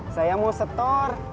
saya mau setor